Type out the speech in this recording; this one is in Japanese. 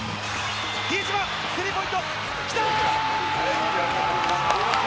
比江島、スリーポイント、きたー！